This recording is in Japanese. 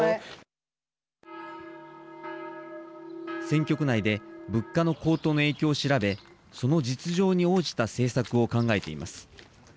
選挙区内で物価の高騰の影響を調べその実情に応じた政策を考えています。